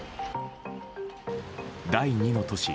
第２の都市